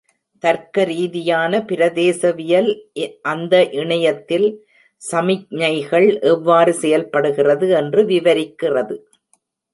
தர்க்க ரீதியான பிரதேசவியல், அந்த இணையத்தில் சமிக்ஞைகள் எவ்வாறு செயல்படுகிறது என்று விவரிக்கிறது.